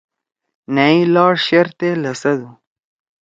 نأئی لاݜ شیرتے لھسَدُو۔